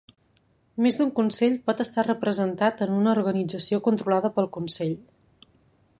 Més d'un consell pot estar representat en una organització controlada pel consell.